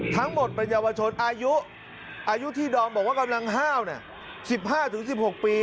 ทั้งหมดเป็นเยาวชนอายุที่ดอมบอกว่ากำลังห้าว๑๕๑๖ปี